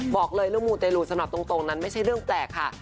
บอกเลยเรื่องมูเตรลูสำหรับตรงนั้นไม่ใช่เรื่องแปลกค่ะ